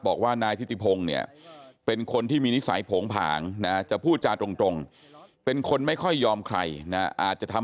บอกว่านายทิศิพงศ์เนี่ยเป็นคนที่มีนิสัยผงผางนะ